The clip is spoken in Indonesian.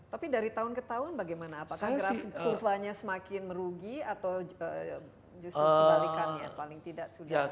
tapi dari tahun ke tahun bagaimana apakah kurvanya semakin merugi atau justru kebalikannya paling tidak sudah